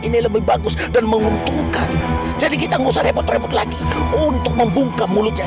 ini lebih bagus dan menguntungkan jadi kita ngusah repot repot lagi untuk membuka mulutnya